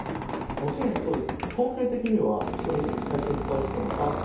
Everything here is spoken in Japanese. もちろんそうです。